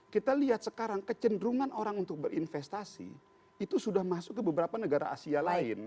kita lihat sekarang kecenderungan orang untuk berinvestasi itu sudah masuk ke beberapa negara asia lain